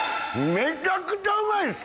めちゃくちゃうまいです！